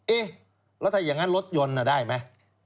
เอ๊ะแล้วถ้าอย่างนั้นรถยนต์ได้ไหม